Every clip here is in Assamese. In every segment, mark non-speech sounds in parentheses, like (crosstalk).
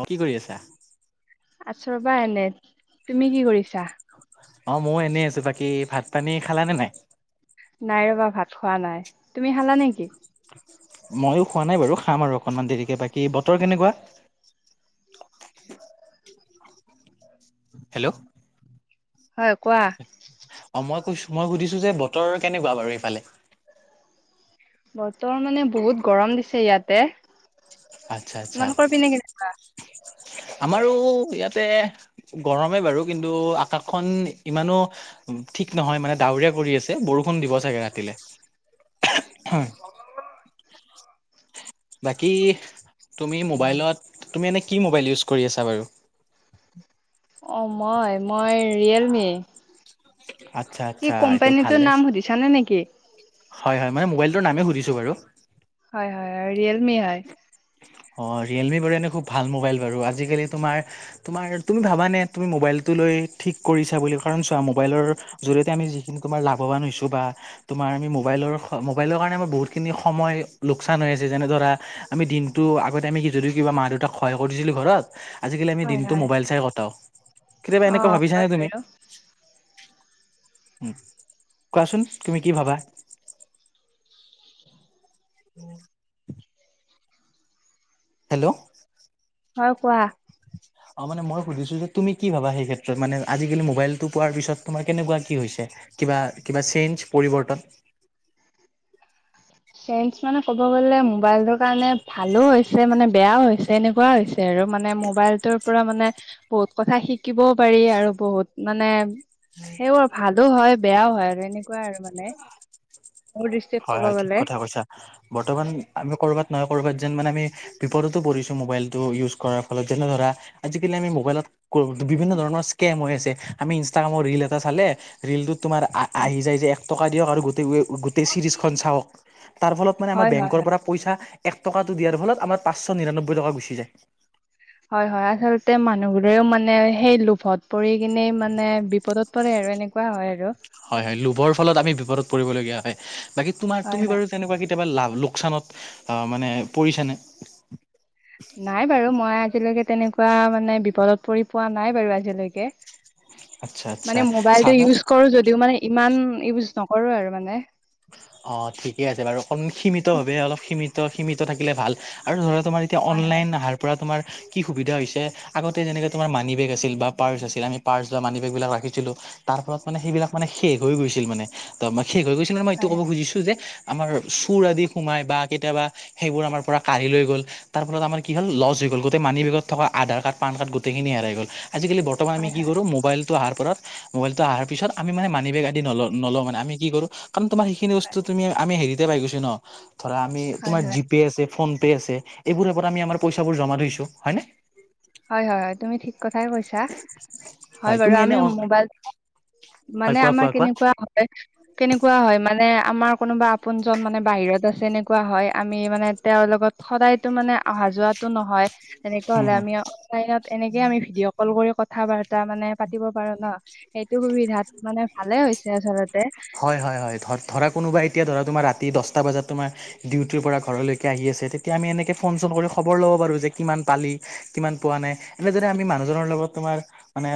অ কি কৰি আছা আচৰবা এনে তুমি কি কৰিছা অ ময় এনেই আছো বাকী ভাত পানী খালাানে নাই নাই ৰবা ভাত খোৱা নাই তুমি হালা নেকি মইো খোৱা নাই বাৰু খাম আৰু অকনমান দেৰিকে বাকী বতৰ কেনেকুৱা হেল্ল' হয় কোৱা অ মই কৈছো মই সুধিছো যে বতৰ কেনেকুৱা বাৰু এইফালে বতৰ মানে বহুত গৰম দিছে ইয়াতে আচ্ছা আচ্ছা তোমালোকৰ পিনে কেনেুৱা আমাৰো ইয়াতে গৰমেই বাৰু কিন্তু আকাশখন ইমানো ঠিক নহয় মানে ডাৱৰীয়া কৰি আছে বৰষুণ দিব চাগে ৰাতিলে হয় বাকী তুমি মোবাইলত তুমি এনে কি মোবাইল ইউজ কৰি আছা বাৰু অ মই মই ৰিয়েলমি আচ্ছা কি আচ্ছা এইটো কোম্পানীটোৰ ভালে নাম সুধিছানে নেকি হয় হয় মানে মবল নামে সুধিছো বাৰু হয় হয় ৰিয়েলমি হয় অ ৰিয়েলমি বাৰু এনে খুব ভাল মোবাইল বাৰু আজালিমাৰমাৰ তুমি ভাবা নে তুি মাইল চ মলৰ জতে আমি যিখিনমাৰ লাভান হৈছো বা তমাৰ আমি মোবাইলৰ মোবাইলৰ কাৰণে আমাৰ বহুতখিনি সময় লোকচান হৈ আছে যেনে ধৰা আমি দিন ত আগতে আমি কি যদি কিবা মা দেউতাক সহায় কৰি দিছিলো ঘৰত আজিকালি আমি হয় দিনটো হয় মোবাইল চাই কটাও, কেতিয়াবা অ এনেকুৱা ভাবিছানে হয় তুমি? বাৰু উম, কোৱাচোন তুমি কি ভাবা? (unintelligible) হেল্ল'। হয় কোৱা। অ', মানে মই সুধিছো যে তুমি কি ভাবা সেই ক্ষেত্ৰত মানে আজিকালি মোবাইলটো পোৱাৰ পিছত তোমাৰ কেনেকুৱা কি হৈছে? কিবা কিবা চেঞ্জ পৰিৱৰ্তন। (unintelligible) চেঞ্চ মানে ক'ব গলে মোবাইলটোৰ কাৰণে ভালো হৈছে মানে বেয়াও হৈছে এনেকুৱা হৈছে। তে আৰু মানে মোবাইলটোৰ পৰা মানে বহুত কথা শিকিবও পাৰি আৰু বহুত মানে সেইব আৰু ভালো হয় বেয়াও হয় আৰু এনেকুৱাই আৰু মানে। মোৰ দৃষ্টিত হয় ক'ব হয় ঠিক গ'লে কথা কৈছা, বৰ্তমান আমি কৰ'বাত নহয় ক'বাত যেন মানে আমি বিপদতো পৰিছো মোবাইলতটো ইউজ কৰাৰ ফলত যেনে ধৰা আজিকালি আমি মোবাইলত বিভিন্ন ধৰণৰ স্কেম হৈ আছে আমি ইনষ্টাগ্ৰামৰ ৰিল এটা চালে ৰিলটোত তোমাৰ হয় আহি যায় যে এক টকা দিয়ক আৰু গোটেই চিৰিজ খ চাওক তাৰ ফলত মানে আমাৰ হয় হয় বেংকৰ হয় পৰা পইচা এক টকাটো দিয়াৰ ফলত আমাৰ পাঁচশ নিৰান্নব্বৈ টকা গুচি যায়। হয় হয়, আচলতে মানুহবোৰেও মানে সেই লোভত পৰি কিনে মানে বিপদত পৰে আৰু। আৰু এনেকুৱা হয় আৰু। হয় হয় লোভৰ ফলত আমি বিপদত পৰিবলগীয়া হয়, বাকী তোমাৰ হয় তুমি হয় বাৰু তেনেকুৱা কেতিয়াবা লাভ লোকচানত মানে পৰিছেনে? নাই বাৰু মই আজিলৈকে তেনেকুৱা মানে বিপদত পৰি পোৱা নাই বাৰু আজিলৈকে। আচ্ছা আচ্ছা মানে মোবাইলটো চাবা ইউজ কৰো যদিও মানে ইমান ইউজ নকৰো আৰু মানে। অ ঠিকে আছে বাৰু অকণমান সীমিত ভাৱে অলপ সীমিত সীমিত থাকিলে ভাল আৰু ধৰা তোমাৰ এতিয়া হয় হয় অনলাইন আহাৰ পৰা তোমাৰ কি সুবিধা হৈছে আগতে যেনেকে তোমাৰ মানি বেগ আছিল বা পাৰ্চ আছিল আমি পাৰ্চ বা মানি বেগবিলাক ৰাখিছিলোঁ। তাৰ ফলত মানে সেইবিলাক মানে শেষ হৈ গৈছিল মানে ত শেষ হৈ গৈছিল ম মই এইটো হয় ক'ব খুজিছো যে আমাৰ চুৰ আদি সোমাই বা কেতিয়াবা সেইবোৰ আমাৰ পৰা কাঢ়ি লৈ গ'ল তাৰ ফলত আমাৰ কি হ'ল লজ হৈ গ' গোটেই মানিেগত থকা আধাৰ কাৰ্ড পান্ গোটেইখিনি হেই গ'ল আজিকালিৰ্তমান আমি হয় কি হয় কৰো মোবাইল ত মোবাইলত অহাৰ পিছত আমি মে মানি বেগ আদি ন নল মে আমি কি কৰো কাৰন তোমাৰ সেইখিনি বস্তু তুমি আমি হেৰিতে পাই গৈছি ন, ধৰা আমি হয় হয় তোমাৰ হয় জিপে' আছে ফোন পে আছে, এইবোৰো পৰা আমি পইচা বোৰ জমা থৈছোঁ, হয়নে? হয় হয় হয় তুমি ঠিক কথাই কৈছা, হয় বাৰু তুমি এনে আমি অ মোবাইল হয় মানে কোৱা আমাৰ কোৱা কোৱা কেনেকুৱা হয়, কেনেকুৱা হয় মানে আমাৰ কোনোবা আপোনজন মানে বাহিৰত আছে এনেকুৱা হয়, আমি মানে তেওঁৰ লগত সদায়তো মানে অহা অহ যোৱাটো নহয় তেনেক হুম হলে হুম। আমি দিনত এনেকে আমি ভিডিঅ' কল কৰি কথা বাৰ্তা মানে পাতিব পাৰো নে। সেই হয় হয় হয় ধৰা কোনোবা এতিয়া ধৰা তোমাৰ ৰাতি দশ টা বজাত তোমাৰ ডিউটিৰ পৰা ঘৰলৈকে আহি আছে, তেতিয়া আমি এনেকৈ ফোন চোন কৰি খবৰ ল'ব পাৰোঁ যে কিমান পালি। কিমান পোৱা নাই এনেদৰে আমি মানুহজনৰ লগত তোমাৰ মানে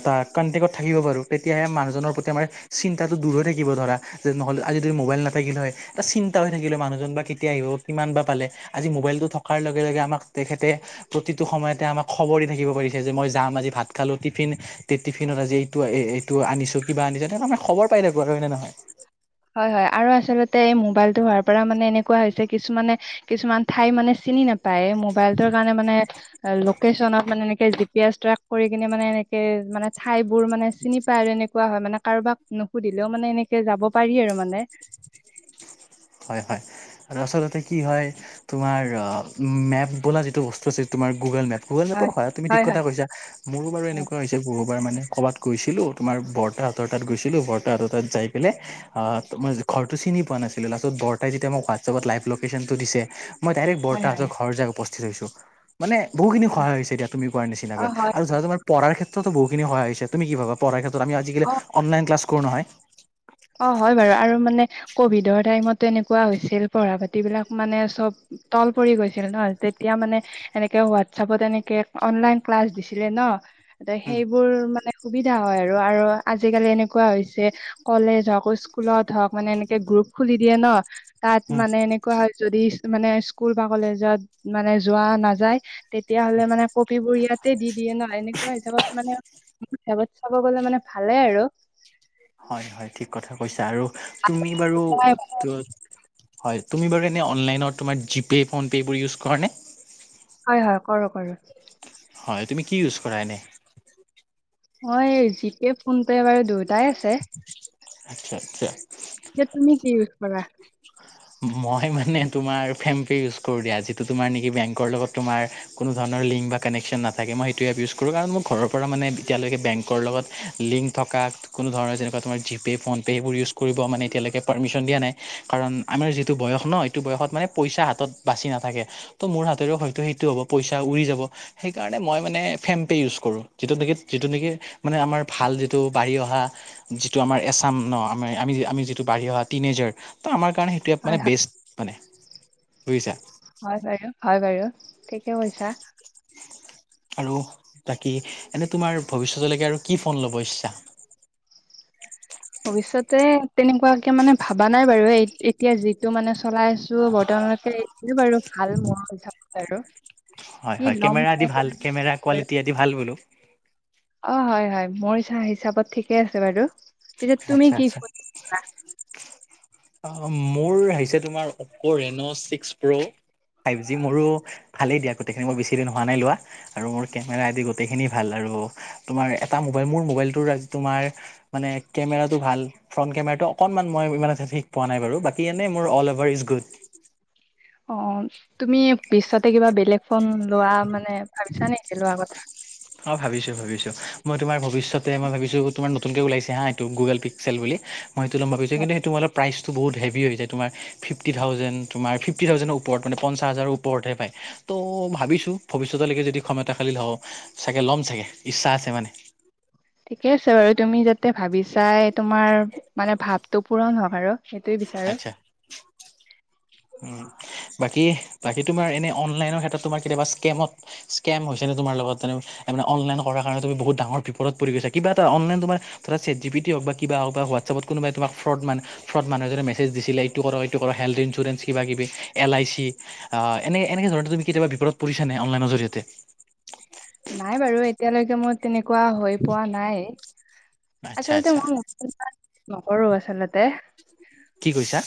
এটা কন্তেকট থাকিব পাৰোঁ। তেতিয়াহে মানুহজনৰ প্ৰতি আমাৰ চিন্তাটো দূৰ হৈ থাকিব ধৰা যে নহ'লে আজি যদি মোবাইল নাথাকিলে হয় এটা চিন্তা হৈ থাকিলে মানুহজন বা কেতিয়া আহিব কিমান বা পে আজি মবাইলতটো থকাৰ লগে লগে আমাক তেখেত তে প্ৰতিটো সময়ত তে আমাক খবৰ দি থাকিব পাৰিছে যে মই যাম আজি ভাত খালো টিফিন টিফিনত আজি এইটো এইটো আনিছো কিবা আনিছে তে আানে খবৰ পাই থাকিব আৰু হয়নে নহয়? হয় হয় আৰু আচলতে এই মোবাইলতটো হোৱাৰ পৰা মানে এনেকুৱা হৈছে কিছুমানে কিছুমান ঠাই মানে চিনি নাপ পায়ে মোবাইলতোৰ কাৰণে মানে লোকেশচনত মানে এনেক জি পি এচ ট্ৰেক কৰি কিনে মানে এনেকে মানে ঠাই বোৰ মানে চিন পায় আৰু এনে কোৱা হয় মানে কাৰোবাক নুসুধিলেও মানে এনেকে যাব পাৰি আৰু মানে। হয় হয় আৰু আচলতে কি হয় তোমাৰ মেপ বোলা যিটো বস্তু আছে তোমাৰ গুগল মেপ গুগল মেপৰ হয়, সহ তুমি হয়, ঠিক হয়। কথা কৈছ মোৰো বু অ, এনেুৱা হৈছে। বাৰ মানে ক'বাত গৈছিলো তোমাৰ বৰ্তাহ হতৰ তাত গৈছিলো বৰ্ত হতৰ তাত যাই পেলাই। অঁ তোমাৰ ঘৰটো চিনি পোৱা নাছিলোঁ লস্তত বৰ্তায়ে যেতিয়া মোক ৱাটছএপত লাইভ লোকেশ্যন টো দিছে। মই ডাইৰেক্ট হয়, হয়, হয়। বৰ্তাহঁতৰ ঘৰ যাই উপস্থিত হৈছোঁ মানে। বহুখিনি সায় হৈছেতিয়া তুমি ক অ', নিচিনাকৈ হয়। আৰু ধৰা তোমাৰ পঢ়াৰ ক্ষেততো বহুখিনি সায় হৈছে তুমি কি পঢ়াৰ ক্ষেতত। আমি আজিকালি অ', অনলাইন ক্লাছ কৰো নহয়। অ হয় বাৰু আৰু মানে। কভিডৰ টাইমত তেনেকুৱা হৈছিল পঢ়া পাতিবিলাক মানে চব তল পৰি গৈছিল নহয় তেতিয়া। মানে এনেকে হোৱাটছএপত এনেকে অনলাইন ক্লাছ দিছিলে ন। ত সেইবোৰ মানে সুবিধা হয় আৰু আৰু আজিকালি এনেকুৱা হৈছে। কলেজ হওক স্কুলত হওঁক মানে এনেকে গ্ৰুপ খুলি দিয়ে ন তাত উম, মানে এনেকুৱা হয় যদি। মানে স্কুল বা কলেজত মানে যোৱা নাযায়। তেতিয়াাহ'লে মানে কপিবোৰ ইয়াতে দি দিয়ে ন এনেকুৱা হিচাপত মানে। সেবত চাব গলে মানে ভালে আৰু। হয় হয় ঠিক কথা কৈছা আৰু তুমি বাৰু। হয় হয় তুমি বাৰু এনে অনলাইনত জিপে ফোনপে এইবোৰ ইউজ কৰা নে। হয় হয় কৰো কৰো। হয় তুমি কি ইউজ কৰা এনে। মই এই জিপে ফোন পে বাৰু দুয়োটাই আছে। আচ্ছা আচ্ছা। বলা। মই মানে তোমাৰ ফেমপে ইউজ কৰোঁ দিয়া যিটো তোমাৰ নিকি বেংকৰ লগত তোমাৰ কোনো ধৰণৰ লিংক। বা কানেকশ্যন নাথাকে, মই সেইটো এপ্ ইউজ কৰোঁ। কাৰণ মোৰ ঘৰৰ পৰা মানে, এতিয়ালৈকে বেংকৰ লগত লিংক থকাত। কোনো ধৰণৰ যেনেকা তোমাৰ জি পে, ' ফোনপে, এইবোৰ ইউজ কৰিব মানে এতিয়ালৈকে পাৰ্মিচন দিয়া নাই। কাৰণ আমাৰ যিটো বয়স ন? সেইটো বয়সত মানে পইচা হাতত বাছি নাথাকে। ত' মোৰ হাততেৰেও হয়টো সেইটো হ'ব পইচা উৰি যাব সেইকাৰণে মই মানে ফেন পে ইউজ কৰোঁ। যিটো নেকি, যিটো নেকি মানে আমাৰ ভাল যিটো বাঢ়ি অহা যিটো আমাৰ এছাম ন? আমি আমি যিটো বাঢ়ি অহা টিনেজাৰ, ত আমাৰ কাৰণে এটো এপ মানে হয় হয় বেষ্ট মানে বুজিছা। হয় বাৰু হয় বাৰু ঠিকে কৈছা, আৰু বাকী এনে তোমাৰ ভৱিষ্যতলৈকে আৰু কি ফোন ল'ব ইচ্ছা। ভৱিষ্যতে তেনেকুৱাকে মানে ভাবা নাই বাৰু, এতিয়া যিটো মানে চলাই আছো বৰ্তমান। এইটোৱে বাৰু, ভাল মোৰ হিচাপত আৰু হয়', কি হয়', ল'ম কেমেৰা আদি সেইটো ভাল ভাবা কেমেৰা নাই বাৰু। কোৱালিটি আদি ভাল বোলো। অ', হয়', হয়', মোৰ হিচা হিচাপত ঠিকে আছে বাৰু, কিন্তু তুমি আচ্ছা কি ফোন ললা। অ', মোৰ আহিছে তোমাৰ Oppo Reno six pro. Five G মোৰো, ভালেই দিয়া গোটেইখিনি মোৰ বেছি দিন হোৱা নাই লোৱা আৰু মোৰ কেমেৰা আদি গোটেইখিনি ভাল। আৰু, অ', তোমাৰ এটা মোবাইল মোৰ মবাইল টোৰ তোমাৰ মানে কেমেৰাটো ভাল। ফ্ৰন্ কেমেৰাটো অকণমান মই ইমান এটা ঠিক পোৱা নাই বাৰু, বাকী এনেই মোৰ অল অভাৰ ইচ গুড। অ', তুমি বিচাৰাটো কিবা বেলেগ। ফোন লোৱা মানে ভাবিছা নেকি লোৱা কথা। অ ভাবিছো ভাবিছো মই তোমাৰ ভৱিষ্যতে, মই ভাবিছোঁ তোমাৰ নতুনকে ওলাইছে হা এইটো গুগল পিক্সেল বুলি। মই সেইটো লম ভাবিছোঁ কিন্ত সেইটো মানে প্ৰাইচ বহুত হেভি হৈ যায়। তোমাৰ ফিফটি থাউজেন্ড, তোমাৰ ফিফটি থাউজেন্ডৰ ওপৰত মানে পঞ্চাছ হাজাৰৰ ওপৰতে পায়। ত ভাবিছোঁ। ভৱিষ্যতলৈকে যদি ক্ষমতাশালী হওঁ চাগে ল'ম চাগে ইচ্ছা আছে মানে। ঠিকে আছে বাৰু, তুমি যাতে ভাবি চাই তোমাৰ মানে ভাৱটো পূৰণ হওঁক আৰু, সেইটোৱে বিচাৰো। উ', বাকী বাকী তোমাৰ এনে অনলাইনৰ ক্ষেত্ৰত তোমাৰ কেনেকুৱা, ইচকেমত ইচ্কেম হৈছে নে? তোমাৰ লগত অনলাইন কৰাৰ কাৰণে তুমি বহুত ডাঙৰ বিপদত পৰি গৈছা। কিবা এটা অনলাইন তোমাৰ ধৰা চাত জি পি টিয়ে হওঁক বা কিবা হওঁক বা হোৱাটছআপত কোনোবাই তোমাক ফ্ৰড মানে মানুহ এজনে মেছেজ দিছিলে। এইটো কৰক এইটো কৰক হেল্থ ইঞ্চুৰেঞ্চ কিবা কিবি এল আই চি আ এনে এনে ধৰণে তুমি কেতিয়াবা বিপদত পৰিছা নে? অনলাইনৰ জৰিয়তে। নাই বাৰু এতিয়ালৈকে মোৰ তেনেকুৱা হৈ পোৱা নাই। আচ্ছা আচলতে আচ্ছা মই (unintelligible) নকৰো আচলতে। কি কৈছা?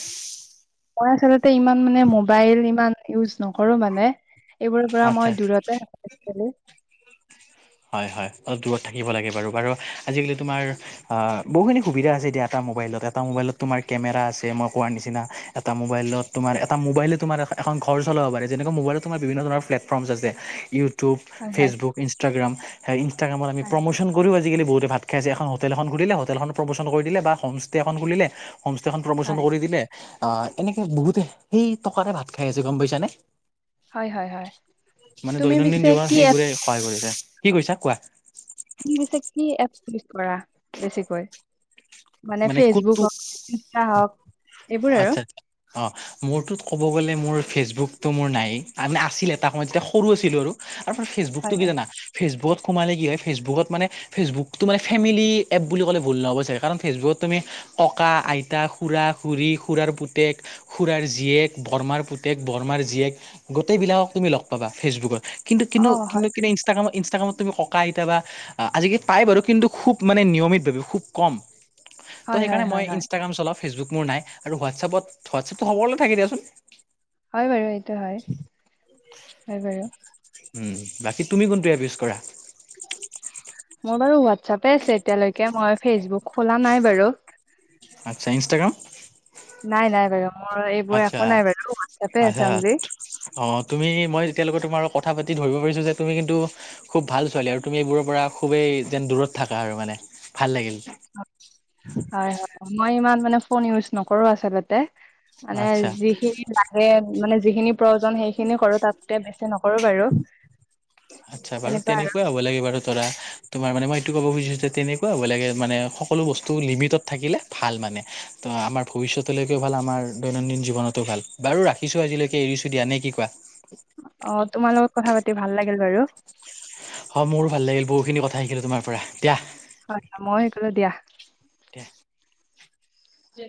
মই আচলতে ইমান মানে মোবাইল ইমান ইউজ নকৰো মানে। এইবোৰৰ পৰা আচ্ছা মই দূৰতে থাকো একচুৱেলি। হয়, হয় অলপ দূৰত থাকিব লাগে বাৰু। বাৰু আজিকালি তোমাৰ অ' বহুখিনি সুবিধা আছে। দিয়া তা মোবাইলত। এটা মোবাইলত তোমাৰ কেমেৰা আছে মই কোৱাৰ নিচিনা। এটা মোবাইলত তোমাৰ এটা মোবাইলে তোমাৰ এখন ঘৰ চলাব পাৰে। যেনেকুৱা মোবাইলত তোমাৰ বিভিন্ন ধৰণৰ প্লেটফৰ্মচ আছে ইউ টিউব, হয় হয় ফেচবুক, ইনষ্টাগ্ৰাম হা ইনষ্টাগ্ৰামত আমি হয় প্ৰমোচন কৰো আজিকালি বহুতে ভাত খাই আছে। এখন হোটেল এখন খুলিলে হোটেলখন প্ৰমোচন কৰি দিলে বা হোমষ্টে এখন খুলিলে হোমষ্টেখন হয় প্ৰমোচন কৰি দিলে। আহ এনেকে বহুতে সেই টকাৰে ভাত খাই আছে গ'ম পাইছান? হয় হয় হয় মানে তুমি দৈনন্দিন পিছে জীৱনত কি এপছ সেইবোৰে সহায় কৰিছে। কি কৈছা কোৱা? তুমি পিছে (unintelligible) কৰা বেছিকৈ? মানে ফেচবুক কোনটো হওক ইনষ্টা হওক এইবোৰ আৰু আচ্ছা, অ' মোৰটোত ক'ব গ'লে মোৰ ফেচবুকটো মোৰ নাই। আছিলে এটা সময়ত যেতিয়া সৰু আছিলো আৰু। তাৰপৰা ফেচবুকটো হয় কি হয় জানা ফেচবুক সোমালে কি হয়। ফেচবুকত মানে ফেচবুকটো মানে ফেমিলি এপ বুলি ক'লে ভুল নহ'ব চাগে। কাৰণ ফেচবুকত তুমি ককা, আইতা, খুৰা খুৰী খুৰাৰ পুতেক, খুৰাৰ জীয়েক বৰ মাৰ পুতেক বৰমাৰ জীয়েক গোটেইবিলাকক তুমি লগ পাবা ফেচবুকত। অ হয় কিন্তু-কিন্তু-কিন্তু-কিন্তু ইনষ্টাগ্ৰামত ইনষ্টাগ্ৰামত তুমি ককা আইতা আজি পাই বাৰু। কিন্তু খুব মানে নিয়মিত ভাবে খুব কম। ত' হয় হয় সেইকাৰণে মই হয় হয় ইনষ্টাগ্ৰাম চলাও। ফেচবুক মোৰ নাই আৰু হোৱাটছএপত হোৱাটছএপতটো সকলোৰে থাকে দিয়াচোন। হয়, হয়, হয় এইটো হয়, হয় বাৰু। উম, বাকী তুমি কোনটো এপ ইউজ কৰা? মোৰ বাৰু হোৱাটছাপে আছে এতিয়ালৈকে মই ফেচবুক খোলা নাই বাৰু। আচ্ছা, ইনষ্টাগ্ৰাম? নাই নাই বাৰু। মোৰ এইবোৰ আচ্ছা, একো নাই বাৰু হোৱাটছআপে আছে আচ্ছা অনলি অ' তুমি মই এতিয়ালৈকে তোমাৰ কথা পাতি ধৰিব পাৰিছো যে তুমি কিন্তু খুব ভাল ছোৱালী আৰু তুমি এইবোৰৰ পৰা খুবেই যেন দূৰত থাকা আৰু মানে ভাল লাগিল। হয়, হয় মই ইমান মানে ফোন ইউজ নকৰো আচলতে। মানে আচ্ছা যিখিনি লাগে মানে যিখিনি প্ৰয়োজন সেইখিনি কৰো তাতকে বেছি নকৰো বাৰু। আচ্ছা বাৰু তেনেকুৱা আৰু তেনেকুৱাই হ'ব লাগে বাৰু ধৰা তোমাৰ মানে মই ক'ব খুজিছো যে তেনেকুৱা বেলেগে মানে সকলো বস্তু লিমিটত থাকিলে ভাল মানে। ত' আমাৰ ভ পিছৰতোলৈকেও ভাল আমাৰ দৈনন্দিন জীৱনতো ভাল। বাৰু ৰাখিছো আজিলৈকে এৰিছো দিয়া নে কি কোৱা? অ', তোমাৰ লগত কথা পাতি ভাল লাগিল বাৰু। হয়। মোৰো ভাল লাগিল বহুখিনি কথা শিকিলো তোমাৰ পৰা। দিয়া হয়, মইয়ো শিকিলো দিয়া। দিয়া